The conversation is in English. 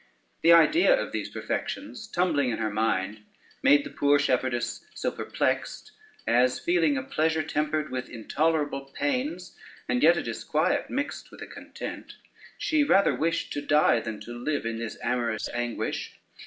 The idea of these perfections tumbling in her mind made the poor shepherdess so perplexed, as feeling a pleasure tempered with intolerable pains, and yet a disquiet mixed with a content, she rather wished to die than to live in this amorous anguish.